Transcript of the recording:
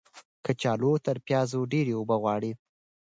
کچالو تر پیازو ډیرې اوبه غواړي.